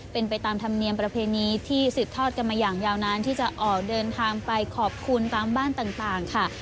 เป็นไปตามธรรมเนียมประเพณีที่สืบทอดกันมาอย่างยาวนานที่จะออกเดินทางไปขอบคุณตามบ้านต่างค่ะ